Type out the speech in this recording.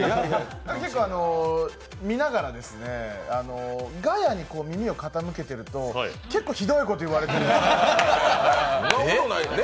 結構、見ながらガヤに耳を傾けていると結構ひどいこと言われてるんですね。